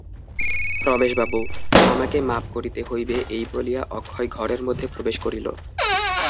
রমেশবাবু, আমাকে মাপ করিতে হইবে এই বলিয়া অক্ষয় ঘরের মধ্যে প্রবেশ করিল।